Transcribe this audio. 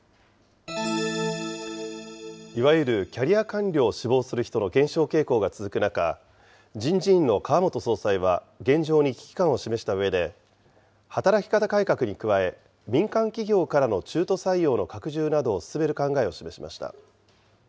いわゆるキャリア官僚を志望する人の減少傾向が続く中、人事院の川本総裁は、現状に危機感を示したうえで、働き方改革に加え、民間企業からの中途採用の拡充などを進める考えを示しました。